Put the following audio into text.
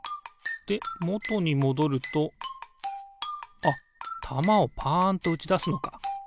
でもとにもどるとあったまをパンとうちだすのか。